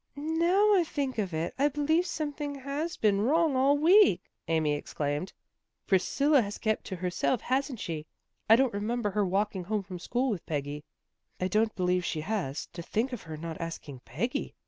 " Now I think of it, I believe something has been wrong all the week," Amy exclaimed. " Priscilla has kept to herself, hasn't she? I don't remember her walking home from school with Peggy." " I don't believe she has. To think of her not asking Peggy!"